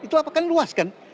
itu apa kan luas kan